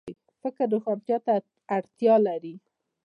فکر روښانتیا ته اړتیا لري